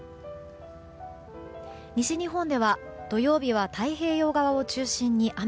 西日本では土曜日は太平洋側を中心に雨。